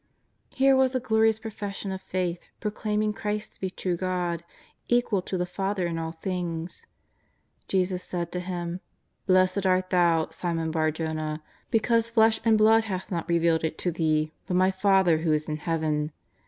Here was a glorious profession of faith, proclaiming Christ to be true God, equal to the Father in all things. Jesus said to him :" Blessed art thou, Simon Bar Jona, because flesh and blood hath not revealed it to thee, but My Father who is in Heaven.